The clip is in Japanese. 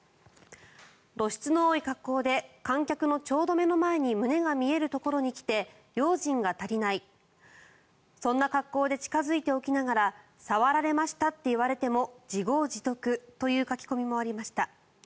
露出の多い格好で観客のちょうど目の前に胸が見えるところに来て用心が足りないそんな格好で近付いておきながら触られましたと言われても自業自得という書き込みもありました。